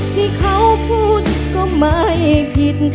ที่เขาพูดก็ไม่ผิด